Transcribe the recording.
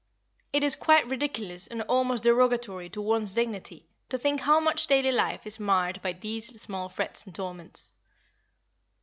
It is quite ridiculous and almost derogatory to one's dignity to think how much daily life is marred by these small frets and torments.